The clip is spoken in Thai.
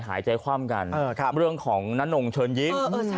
หายใจคว่ำกันเอ่อครับเรื่องของน้ำน่องเชิญยิ้มเออเออ